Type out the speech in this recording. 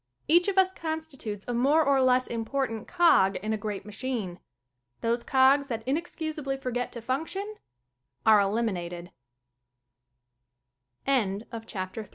Each of us constitutes a more or less impor tant cog in a great machine. Those cogs that inexcusably forget to function are el